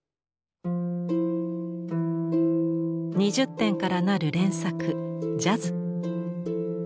２０点からなる連作「ジャズ」。